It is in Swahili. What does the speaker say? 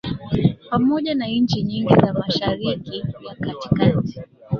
pamoja na nchi nyingi za Mashariki ya Kati kati